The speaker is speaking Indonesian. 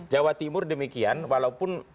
jawa timur demikian walaupun